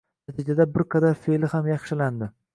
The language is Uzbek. natijada bir qadar fe'li ham yaxshilandi